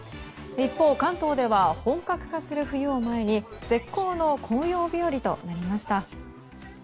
一方、関東では本格化する冬を前に絶好の紅葉日和となりました。